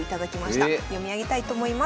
読み上げたいと思います。